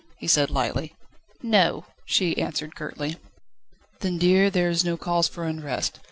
he said lightly. "No," she answered curtly. "Then, dear, there is no cause for unrest.